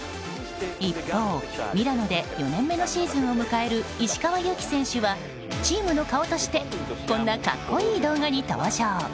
一方、ミラノで４年目のシーズンを迎える石川祐希選手はチームの顔としてこんな格好いい動画に登場。